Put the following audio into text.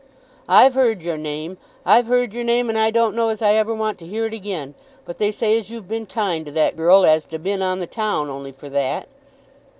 "I've heard your name. I've heard your name, and I don't know as I ever want to hear it again. But they say as you've been kind to that girl as 'd 'a been on the town only for that."